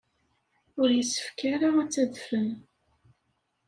Ur yessefk ara ad d-tadfem.